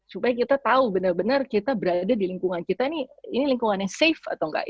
supaya kita tahu benar benar kita berada di lingkungan kita ini ini lingkungan yang safe atau nggak